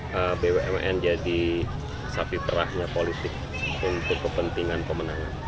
karena bumn jadi sapi perahnya politik untuk kepentingan pemenangan